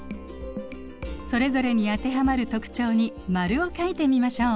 それぞれに当てはまる特徴に〇を書いてみましょう。